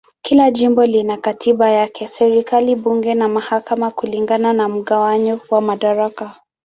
Kila jimbo lina katiba yake, serikali, bunge na mahakama kulingana na mgawanyo wa madaraka.